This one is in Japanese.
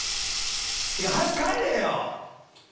っていうか早く帰れよ！